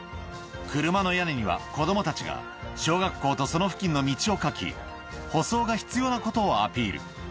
車の屋根には、子どもたちが、小学校とその付近の道を書き、舗装が必要なことをアピール。